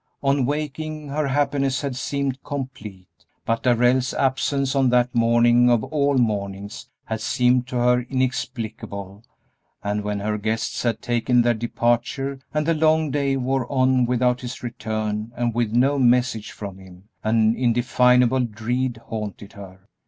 On waking, her happiness had seemed complete, but Darrell's absence on that morning of all mornings had seemed to her inexplicable, and when her guests had taken their departure and the long day wore on without his return and with no message from him, an indefinable dread haunted her.